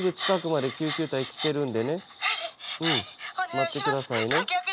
待って下さいね。